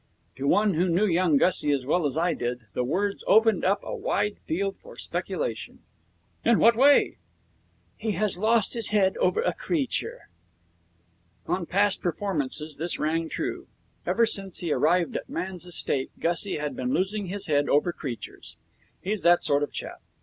To one who knew young Gussie as well as I did, the words opened up a wide field for speculation. 'In what way?' 'He has lost his head over a creature.' On past performances this rang true. Ever since he arrived at man's estate Gussie had been losing his head over creatures. He's that sort of chap.